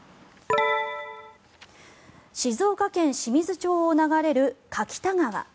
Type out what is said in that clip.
静岡県清水町を流れる柿田川。